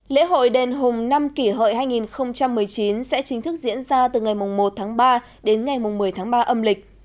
lễ hội đền hùng năm kỷ hội hai nghìn một mươi chín sẽ chính thức diễn ra từ ngày một ba đến ngày một mươi ba âm lịch